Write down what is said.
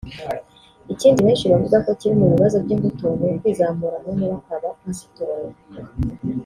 Ikindi benshi bavuga ko kiri mu bibazo by’ingutu ni ukwizamura mu ntera kwa ba Pasitoro